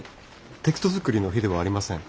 テキストづくりの日ではありません。